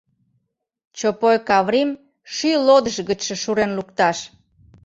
— Чопой Каврим шӱй лодыш гычше шурен лукташ.